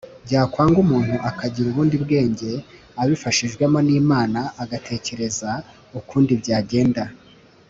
byakwanga umuntu akagira ubundi bwenge abifashijwemo n’Imana agatekereza ukundi byagenda